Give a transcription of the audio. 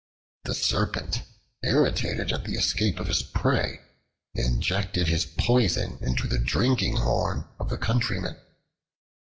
The Serpent, irritated at the escape of his prey, injected his poison into the drinking horn of the countryman.